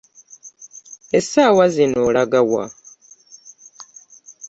Essaawa zino olaga wa?